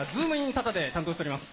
サタデー担当しております。